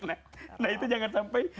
nah itu jangan sampai